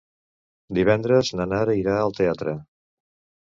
Divendres na Nara irà al teatre.